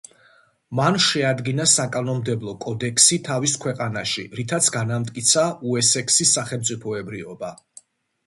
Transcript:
მან შეადგინა საკანონმდებლო კოდექსი თავის ქვეყანაში რითაც განამტკიცა უესექსის სახელმწიფოებრიობა.